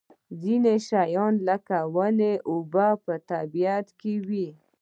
ځینې شیان لکه ونه او اوبه په طبیعت کې وي.